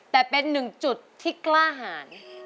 แต่เป็นหนึ่งจุดที่กล้าหาร